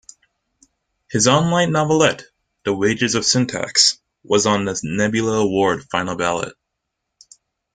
His online novelette "The Wages of Syntax" was on the Nebula Award final ballot.